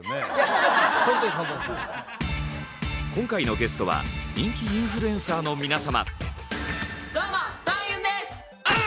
今回のゲストは人気インフルエンサーの皆様。